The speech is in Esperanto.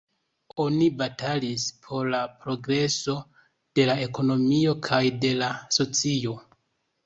Oni batalis por la progreso de la ekonomio kaj de la socio.